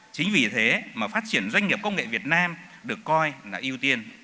chính vì thế mà phát triển doanh nghiệp công nghệ việt nam được coi là ưu tiên